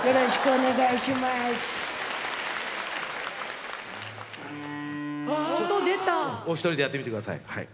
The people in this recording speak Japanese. お一人でやってみてください。